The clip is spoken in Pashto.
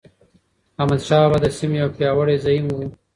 احمدشاه بابا د سیمې یو پیاوړی زعیم و.